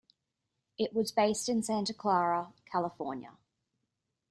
It was based in Santa Clara, California.